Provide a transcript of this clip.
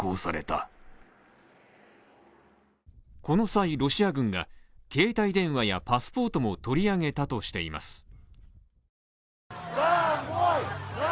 この際、ロシア軍が、携帯電話やパスポートも取り上げたとしています。